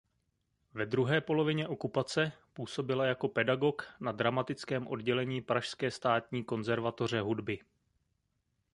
Ve druhé polovině okupace působila jako pedagog na dramatickém oddělení pražské Státní konzervatoře hudby.